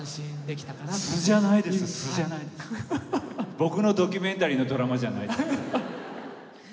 僕のドキュメンタリーのドラマじゃない。